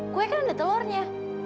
kue kan ada telurnya